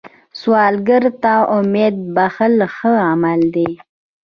سوالګر ته امید بښل ښه عمل دی